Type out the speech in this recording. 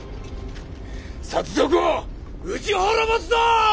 薩賊を討ち滅ぼすぞ！